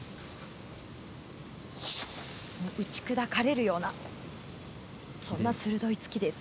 打ち砕かれるようなそんな鋭い突きです。